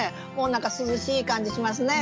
涼しい感じしますね。